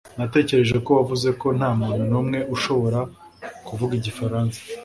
Natekereje ko wavuze ko ntamuntu numwe ushobora kuvuga igifaransa